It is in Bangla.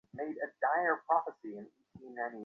তিনি সিগারেট ছাড়বার চেষ্টা করছেন।